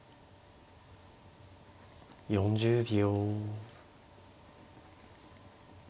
４０秒。